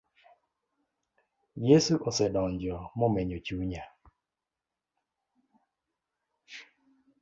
Yesu osedonjo momenyo chunya